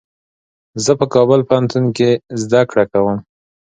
زه په کابل پوهنتون کي زده کړه کوم.